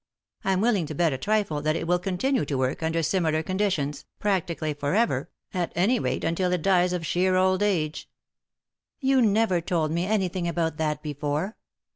I'm willing to bet a trifle that it will continue to work, under similar «4 Digit^d ^ Google THE INTERRUPTED KISS conditions, practically for ever, at any rate untO it dies of sheer old age." "You never told me anything about that before."